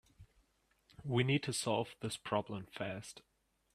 We need to solve this problem fast.